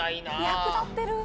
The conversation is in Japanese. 役立ってる！